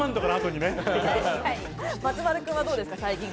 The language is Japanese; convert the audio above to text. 松丸君はどうですか？